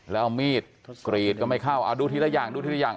แล้วมีดกรีดก็ไม่เข้าดูทีละอย่างดูทีละอย่าง